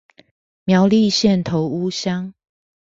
苗栗縣頭屋鄉